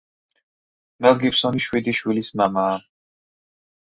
მელ გიბსონი შვიდი შვილის მამაა.